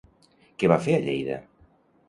Què va fer a Lleida?